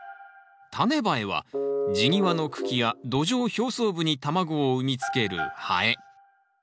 タネバエは地際の茎や土壌表層部に卵を産みつけるハエ。